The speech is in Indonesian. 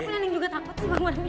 tapi nenek juga takut sih bang parmin